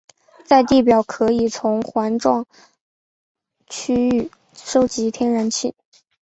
在地表可以从环状区域收集天然气。